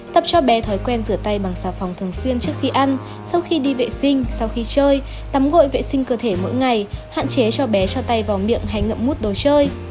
tập cho bé thói quen rửa tay bằng xà phòng thường xuyên trước khi ăn sau khi đi vệ sinh sau khi chơi tắm gội vệ sinh cơ thể mỗi ngày hạn chế cho bé cho tay vào miệng hay ngậm mút đồ chơi